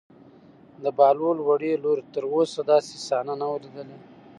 د بهلول وړې لور تر اوسه داسې صحنه نه وه لیدلې.